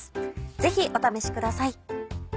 ぜひお試しください。